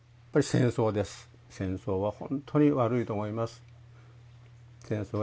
戦争は本当に悪いと思います。